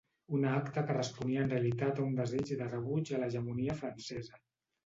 Una acta que responia en realitat a un desig de rebuig a l'hegemonia francesa.